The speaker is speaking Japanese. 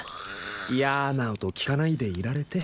いやな音聴かないでいられて。